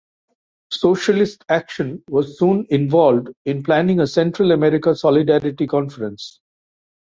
Socialist Action was soon involved in planning a Central America solidarity conference.